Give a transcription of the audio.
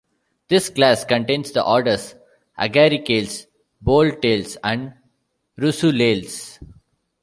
This class contains the orders Agaricales, Boletales, and Russulales.